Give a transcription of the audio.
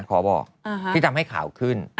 ขอบอกที่ทำให้ข่าวขึ้น